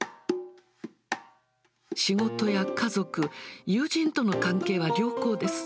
仕事や家族、友人との関係は良好です。